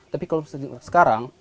tapi kalau sekarang